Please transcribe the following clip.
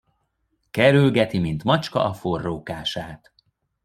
Kerülgeti, mint macska a forró kását.